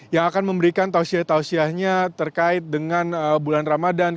yang akan memberikan tausiyah tausiyahnya terkait dengan bulan ramadan